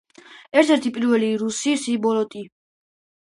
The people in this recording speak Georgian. ერთ-ერთი პირველი რუსი სიმბოლისტი.